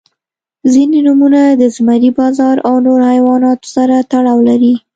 • ځینې نومونه د زمری، باز او نور حیواناتو سره تړاو لري.